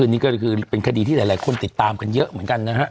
นี่ก็คือเป็นคดีที่หลายคนติดตามกันเยอะเหมือนกันนะฮะ